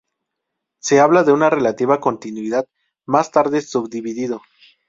Se habla de una relativa continuidad, más tarde subdividido.